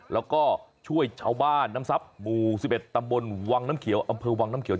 แล้วก็ช่วยชาวบ้านน้ำทรัพย์หมู่๑๑ตำบลวังน้ำเขียวอำเภอวังน้ำเขียว